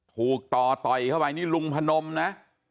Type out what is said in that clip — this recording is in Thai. ถูกต่อต่อยเข้าไปนี่ลุงพนมนะ